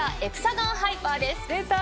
出た。